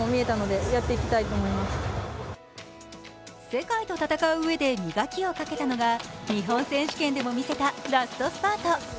世界と戦ううえで磨きをかけたのが日本選手権でも見せたラストスパート。